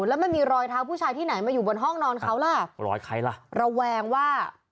แล้วมันมีรอยเท้าผู้ชายที่ไหนมาอยู่บนห้องนอนเขาล่ะรอยใครล่ะระแวงว่า